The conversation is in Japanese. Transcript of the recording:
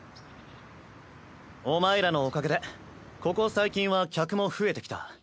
お前らのおかげでここ最近は客も増えてきた。